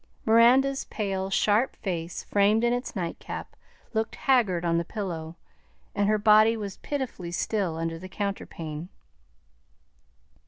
Miranda's pale, sharp face, framed in its nightcap, looked haggard on the pillow, and her body was pitifully still under the counterpane.